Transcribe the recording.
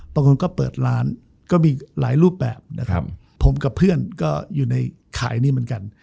บางคนก็เปิดร้านก็มีหลายรูปแบบนะครับผมกับเพื่อนก็อยู่ในขายนี่เหมือนกัน